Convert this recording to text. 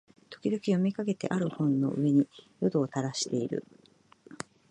時々読みかけてある本の上に涎をたらしている